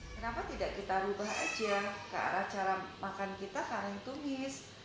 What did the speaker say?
kenapa tidak kita ubah saja ke arah cara makan kita karena yang tumis